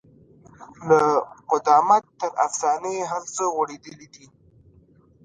له قدامت تر افسانې هر څه غوړېدلي دي.